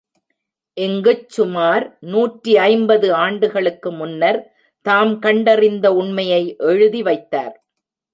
இங்குச் சுமார் நூற்றி ஐம்பது ஆண்டுகளுக்கு முன்னர், தாம் கண்டறிந்த உண்மையை எழுதி வைத்தார்.